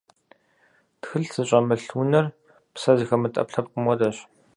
Тхылъ зыщӏэмылъ унэр псэ зыхэмыт ӏэпкълъэпкъым хуэдэщ.